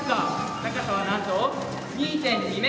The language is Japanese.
高さはなんと２．２ｍ。